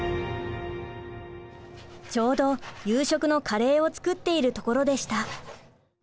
ちょうど夕食のカレーを作っているところでした。